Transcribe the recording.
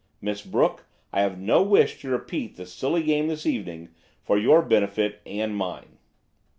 Miss Brooke, I have no wish to repeat the silly game this evening for your benefit and mine."